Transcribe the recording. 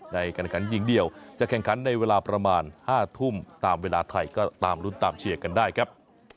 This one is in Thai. ในการขันยิงเดียวจะแข่งขันในเวลาประมาณ๕ทุ่มตามเวลาไทยก็ตามรุ้นตามเชียร์กันได้ครับ